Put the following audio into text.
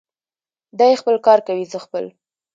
دی خپل کار کوي، زه خپل.